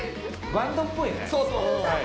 バンドっぽいね。